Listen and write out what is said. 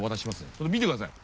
ちょっと見てください。